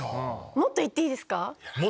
もっといっていいですか？